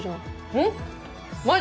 うん。